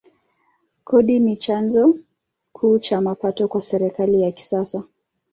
Kodi ni chanzo kuu cha mapato kwa serikali ya kisasa.